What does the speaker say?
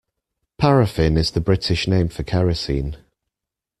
Paraffin is the British name for kerosene